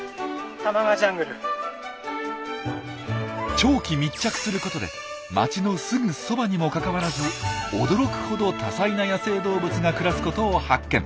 長期密着することで街のすぐそばにもかかわらず驚くほど多彩な野生動物が暮らすことを発見。